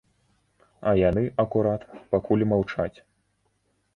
А яны, акурат, пакуль маўчаць.